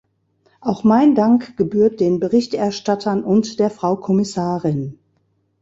Auch mein Dank gebührt den Berichterstattern und der Frau Kommissarin.